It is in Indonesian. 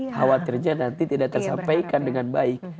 khawatirnya nanti tidak tersampaikan dengan baik